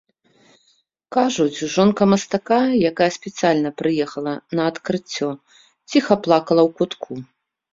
Кажуць, жонка мастака, якая спецыяльна прыехала на адкрыццё, ціха плакала ў кутку.